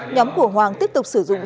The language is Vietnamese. nhóm của hoàng tiếp tục sử dụng